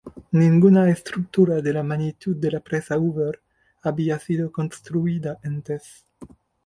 Ninguna estructura de la magnitud de la Presa Hoover había sido construida antes.